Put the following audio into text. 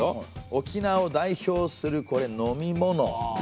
沖縄を代表するこれ飲み物ですね。